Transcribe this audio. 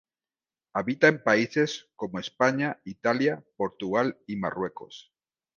Habita en países como España, Italia, Portugal y Marruecos.